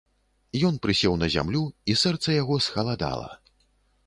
Ён прысеў на зямлю, і сэрца яго схаладала.